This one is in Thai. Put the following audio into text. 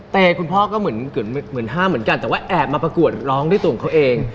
แต่คุณพ่อก็เหมือนห้ามเหมือนกันแต่ว่าแอบมาประกวดร้องด้วยตัวของเขาเอง